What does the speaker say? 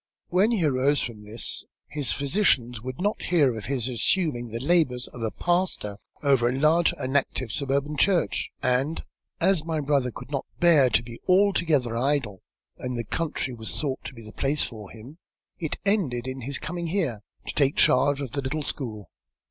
When he arose from this, his physicians would not hear of his assuming the labours of a pastor over a large and active suburban church, and, as my brother could not bear to be altogether idle, and the country was thought to be the place for him, it ended in his coming here, to take charge of the little school.